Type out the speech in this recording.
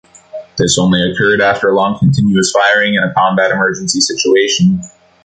This only occurred after long continuous firing in a combat emergency situation.